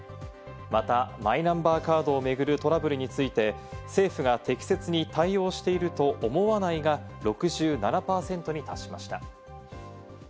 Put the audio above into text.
また、マイナンバーカードを巡るトラブルについて、政府が適切に対応していると思わないが６７％に達しました。